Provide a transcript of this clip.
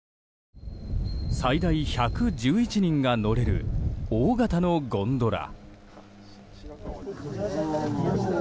最大１１１人が乗れる大型のゴンドラ。